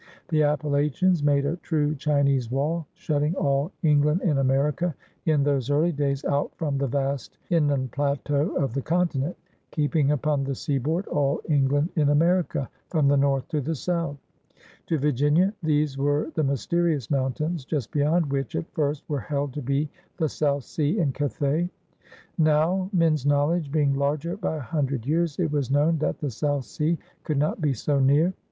The Appalachians made a true Chinese Wall, shutting all England in America, in those early days, out from the vast inland plateau of the continent, keeping upon the seaboard all Eng land in America, from the north to the south. To Virginia these were the mysterious mountains just beyond which, at first, were held to be the South Sea and Cathay. Now, men^s knowledge being larger by a himdred years, it was known that the South Sea could not be so near.